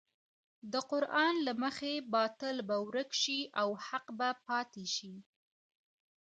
د قران له مخې باطل به ورک شي او حق به پاتې شي.